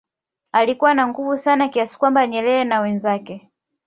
alikuwa na nguvu sana kiasi kwamba Nyerere na wenzake